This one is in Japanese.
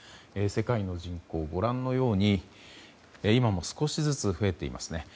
世界の人口、ご覧のように今も少しずつ増えていますね。